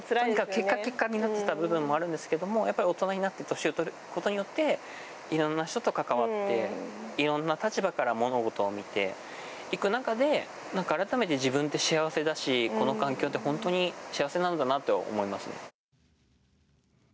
結果結果になっていた部分もあるんですけれども大人になって年をとることによっていろんな人と関わっていろんな立場から物事を見ていく中で改めて自分って幸せだしこの環境って本当に幸せなんだなと思います。